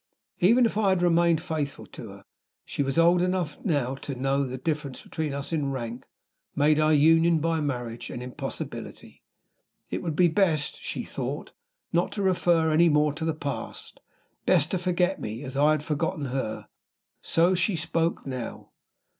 Even if I had remained faithful to her, she was old enough now to know that the difference between us in rank made our union by marriage an impossibility. It would be best (she thought) not to refer any more to the past, best to forget me, as I had forgotten her. So she spoke now.